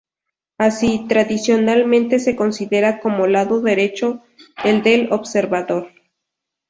Así, tradicionalmente se considera como lado derecho el del observador.